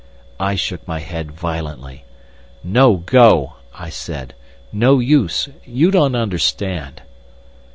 I shook my head violently. "No go," I said, "no use. You don't understand."